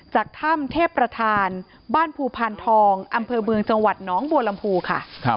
จากถ้ำเทพประธานบ้านภูพานทองอำเภอเมืองจังหวัดน้องบัวลำพูค่ะ